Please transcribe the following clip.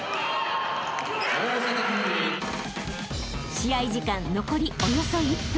［試合時間残りおよそ１分］